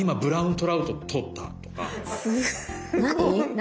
何？